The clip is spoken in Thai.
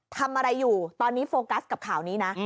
ทำอะไรอยู่ตอนนี้โฟกัสกับข่าวนี้นะ